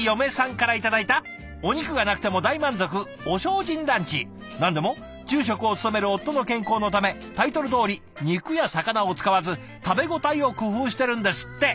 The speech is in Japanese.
続いては何でも住職を務める夫の健康のためタイトルどおり肉や魚を使わず食べ応えを工夫してるんですって！